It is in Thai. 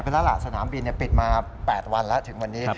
แล้วล่ะสนามบินปิดมา๘วันแล้วถึงวันนี้